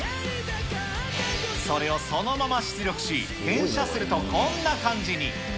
それをそのまま出力し、転写するとこんな感じに。